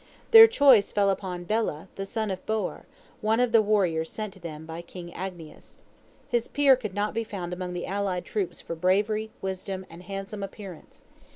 Their choice fell upon Bela, the son of Beor, one of the warriors sent to them by King Agnias. His peer could not be found among the allied troops for bravery, wisdom, and handsome appearance.